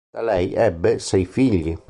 Da lei ebbe sei figli.